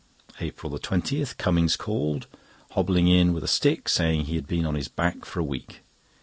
APRIL 20.—Cummings called, hobbling in with a stick, saying he had been on his back for a week.